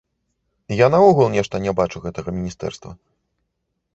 Я наогул нешта не бачу гэтага міністэрства.